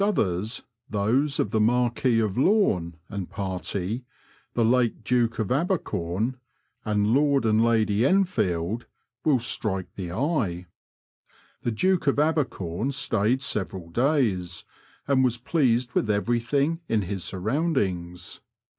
7B others those of the Marquis of Lome and party, the late Doke of Abercom, and Lord and Lady Enfield will strike the eye. The Duke of Abercom stayed several days, and was pleased with everything in his surroundings.